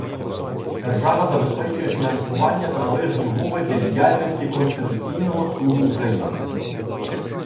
Держава забезпечує фінансування та належні умови для діяльності Конституційного Суду України